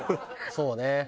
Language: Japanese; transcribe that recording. そうね。